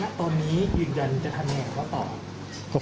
ตอนนี้ยืนยันจะทำยังไงเขาต่อ